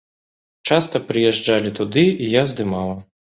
Часта прыязджалі туды, і я здымала.